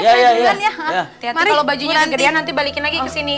tianta kalau bajunya kegedean nanti balikin lagi kesini